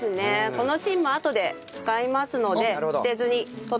この芯もあとで使いますので捨てずに取っておいてください。